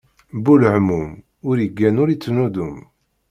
Bu lehmum, ur iggan, ur ittnuddum.